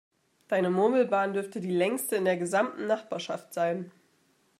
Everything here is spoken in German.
Deine Murmelbahn dürfte die längste in der gesamten Nachbarschaft sein.